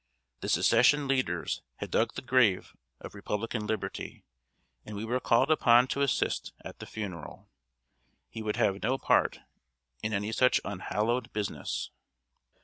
The Secession leaders had dug the grave of republican liberty, and we were called upon to assist at the funeral! He would have no part in any such unhallowed business.